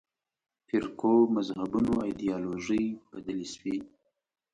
فرقو مذهبونو ایدیالوژۍ بدلې شوې.